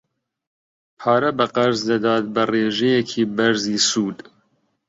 پارە بە قەرز دەدات بە ڕێژەیەکی بەرزی سوود.